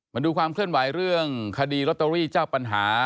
มาดูความเคลื่อนไหวเรื่องคดีลอตเตอรี่เจ้าปัญหา